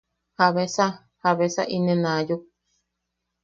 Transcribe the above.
¿Jabesa... jabesa inen aayuk?